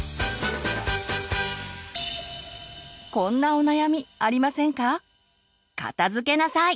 こんなお悩みありませんか？